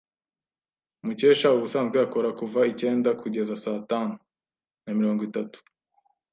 Mukesha ubusanzwe akora kuva icyenda kugeza saa tanu na mirongo itatu.